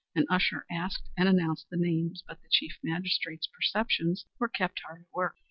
An usher asked and announced the names, but the Chief Magistrate's perceptions were kept hard at work.